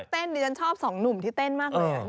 นักเต้นฉันชอบสองหนุ่มที่เต้นมากเลย